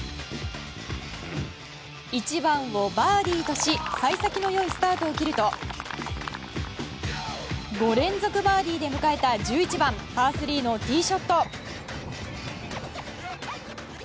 １番をバーディーとして幸先の良いスタートを切ると５連続バーディーで迎えた１１番パー３のティーショット。